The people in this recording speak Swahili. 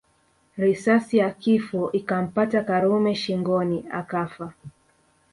Risasi ya kifo ikampata Karume shingoni akafa